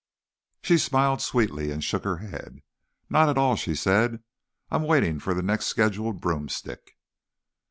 She smiled sweetly and shook her head. "Not at all," she said. "I'm waiting for the next scheduled broomstick."